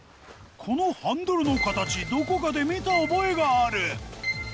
このハンドルの形どこかで見た覚えがある！